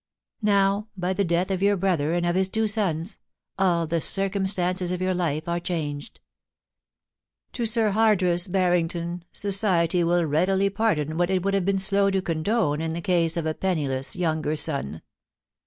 * Now, by the death of your brother and of his two sons, all the circumstances of your life are changed. To Sir Hardress Barrington society will readily pardon what it would have been slow to condone in the case of a penniless younger son.